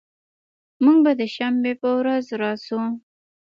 مونږ به د شنبې په ورځ راشو